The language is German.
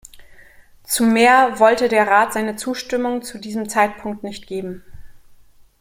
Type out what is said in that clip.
Zu mehr wollte der Rat seine Zustimmung zu diesem Zeitpunkt nicht geben.